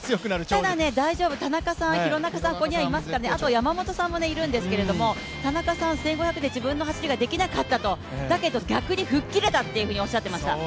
ただ、大丈夫、田中さん、廣中さん、ここにはいますから、あと山本さんもいるんですけども、田中さん、１５００で自分の走りができなかったとだけど逆に吹っ切れたと言っていました。